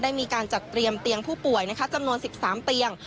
มีการจัดเตรียมเตียงผู้ป่วยจำนวน๑๓เตียง